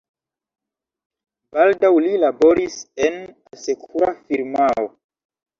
Baldaŭ li laboris en asekura firmao.